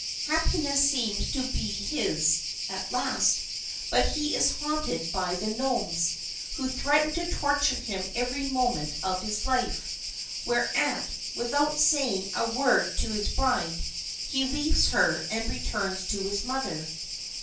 Happiness seems to be his at last, but he is haunted by the gnomes, who threaten to torture him every moment of his life, whereat, without saying a word to his bride, he leaves her and returns to his mother.